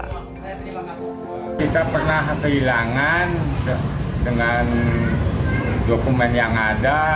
kita pernah kehilangan dengan dokumen yang ada